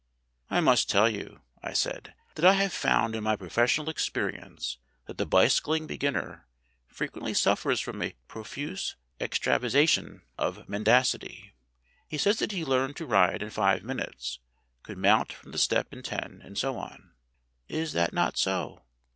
"I must tell you," I said, "that I have found in my professional experience that the bicycling beginner frequently suffers from a profuse extravasation of mendacity. He says that he learned to ride in five min utes, could mount from the step in ten, and so on. Is that not so?"